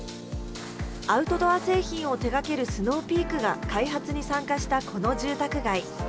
アウトドア製品を手がけるスノーピークが開発に参加したこの住宅街。